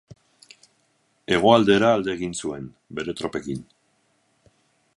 Hegoaldera alde egin zuen, bere tropekin.